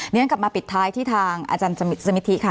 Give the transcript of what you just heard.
เรียนกลับมาปิดท้ายที่ทางอาจารย์สมิทธิค่ะ